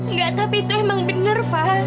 nggak tapi itu emang benar val